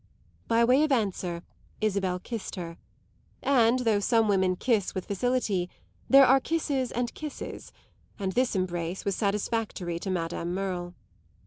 By way of answer Isabel kissed her, and, though some women kiss with facility, there are kisses and kisses, and this embrace was satisfactory to Madame Merle.